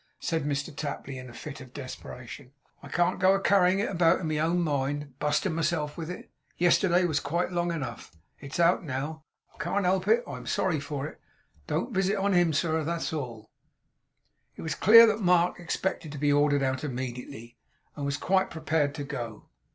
There! Now I've got rid on it,' said Mr Tapley in a fit of desperation: 'I can't go a carryin' it about in my own mind, bustin' myself with it; yesterday was quite long enough. It's out now. I can't help it. I'm sorry for it. Don't wisit on him, sir, that's all.' It was clear that Mark expected to be ordered out immediately, and was quite prepared to go.